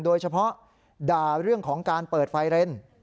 โดยเฉพาะด่าเรื่องของการเปิดไฟเรน